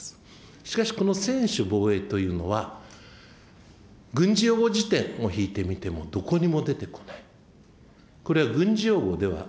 しかし、この専守防衛というのは、軍事用語じてんを引いてみても、どこにも出てこない。